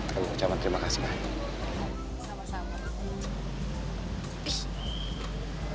kamu ucapkan terima kasih mbak